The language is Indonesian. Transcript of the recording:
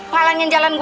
walangin jalan lu